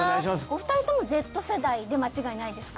２人ともＺ世代で間違いないですか？